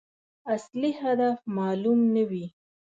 اصلي هدف معلوم نه وي.